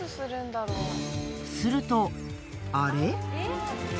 するとあれ？